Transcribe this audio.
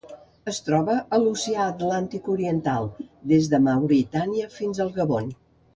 Es troba a l'Oceà Atlàntic oriental: des de Mauritània fins al Gabon.